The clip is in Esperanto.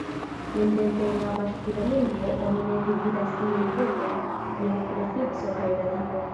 Nuntempe en la baŝkira lingvo oni ne dividas tiujn vortojn je prefikso kaj radiko.